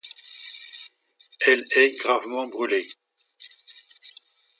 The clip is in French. Elle est gravement brûlée.